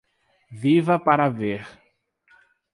Viva para ver